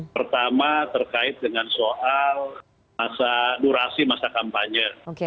pertama terkait dengan soal durasi masa kampanye